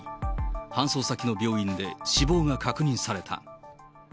搬送先の病院で死亡が確認された。